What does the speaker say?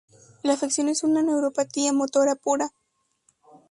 La afección es una neuropatía motora pura.